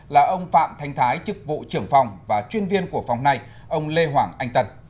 là ông phạm thanh thái chức vụ trưởng phòng và chuyên viên của phòng này ông lê hoàng anh tần